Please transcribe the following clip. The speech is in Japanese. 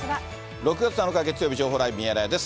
６月７日月曜日、情報ライブミヤネ屋です。